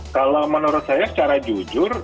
kalau menurut saya secara jujur